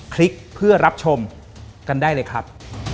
คลิกเพื่อรับชมกันได้เลยครับ